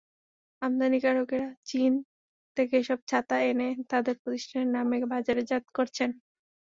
আমদানিকারকেরা চীন থেকে এসব ছাতা এনে তাঁদের প্রতিষ্ঠানের নামে বাজারজাত করছেন।